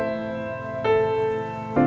pagi pagi siapa yang dikutuk dan kenapa